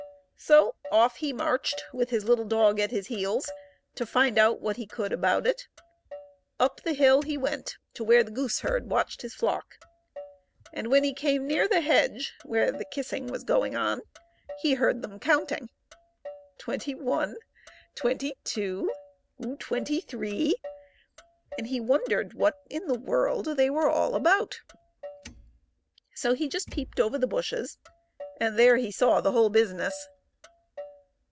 So off he marched, with his little dog at his heels, to find out what he could about it. Up the hill he went to where the gooseherd watched his flock ; and when he came near the hedge where the kissing was going on, he heard them counting —" Twenty one, twenty two, twenty three —" and he wondered what in the world they were all about. So he just peeped over the bushes, and there he saw the whole business.